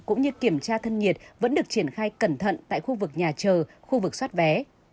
cũng như kiểm tra thân nhiệt vẫn được triển khai cẩn thận tại khu vực nhà chờ khu vực xoát vé